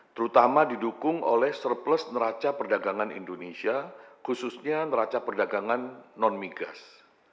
terutama didukung oleh surplus neraca perdagangan indonesia khususnya neraca perdagangan non migas